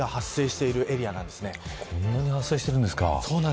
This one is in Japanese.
こんなに発生しているんですか。